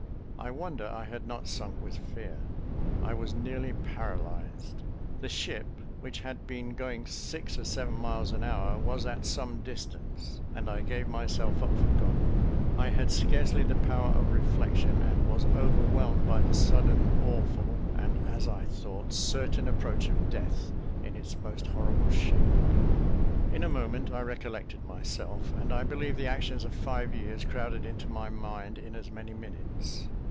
I wonder I had not sunk with fear: I was nearly paralyzed. The ship, which had been going six or seven miles an hour, was at some distance, and I gave myself up for gone. I had scarcely the power of reflection, and was overwhelmed by the sudden, awful, and, as I thought, certain approach of death in its most horrible shape. In a moment I recollected myself: and I believe the actions of five years crowded into my mind in as many minutes.